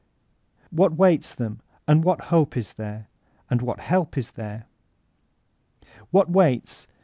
What waits them? And what hope is there? And what help is there? What waits?